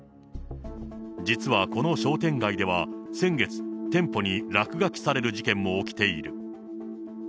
実はこの商店街では、先月、店舗に落書きされる事件も起きている。